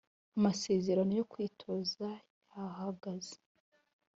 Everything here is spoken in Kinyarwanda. amasezerano yo kwitoza yahagaze.